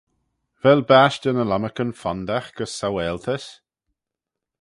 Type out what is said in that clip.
Vel bashtey ny lomarcan fondagh gys saualtys?